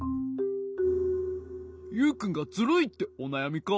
ユウくんがズルいっておなやみか。